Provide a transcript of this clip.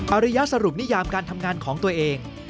อริยสรุปนิยามการทำงานของตัวเอง